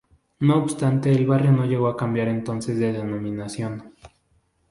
No obstante el barrio no llegó a cambiar entonces de denominación.